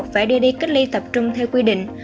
phải đưa đi cách ly tập trung theo quy định